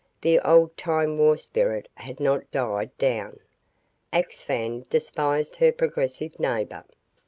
The old time war spirit had not died down. Axphain despised her progressive neighbor.